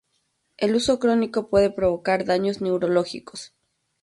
El uso crónico puede provocar daños neurológicos.